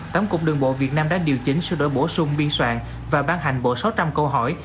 tổng cục đường bộ việt nam đã điều chỉnh sửa đổi bổ sung biên soạn và ban hành bộ sáu trăm linh câu hỏi